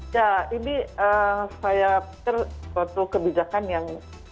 ya ini saya pikir suatu kebijakan yang